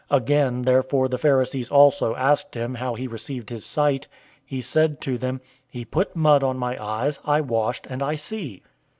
009:015 Again therefore the Pharisees also asked him how he received his sight. He said to them, "He put mud on my eyes, I washed, and I see."